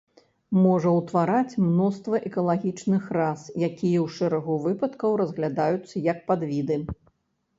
Можа ўтвараць мноства экалагічных рас, якія ў шэрагу выпадкаў разглядаюцца як падвіды.